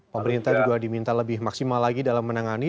pemerintah juga diminta lebih maksimal lagi dalam menangani